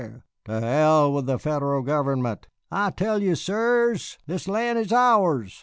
"To hell with the Federal government!" "I tell you, sirs, this land is ours.